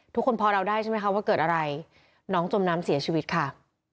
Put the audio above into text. ทุกคนพอเราได้ใช่ไหมคะว่าเกิดอะไรน้องจมน้ำเสียชีวิตค่ะ